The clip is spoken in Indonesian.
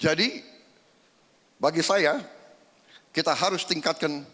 jadi bagi saya kita harus tingkatkan